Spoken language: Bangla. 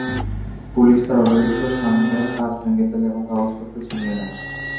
পুলিশ তাঁর অটোরিকশার সামনের কাচ ভেঙে ফেলে এবং কাগজপত্র ছিনিয়ে নেয়।